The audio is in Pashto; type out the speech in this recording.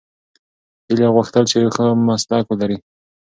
هیلې غوښتل چې یو ښه مسلک ولري.